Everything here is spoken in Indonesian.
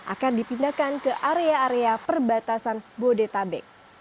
akan dipindahkan ke area area perbatasan bodetabek